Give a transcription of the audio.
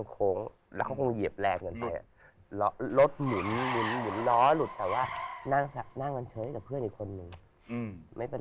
คือเฉียดมา